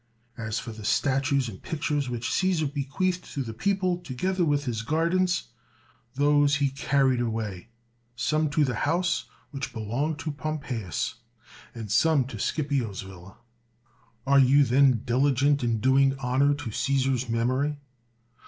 As for the statues and pictures which Caesar bequeathed to the people, together with his gar dens, those he carried away, some to the house which belonged to Pompeius, and some to Scipio 's villa. And are you then diligent in doing honor to Ceesar's memory?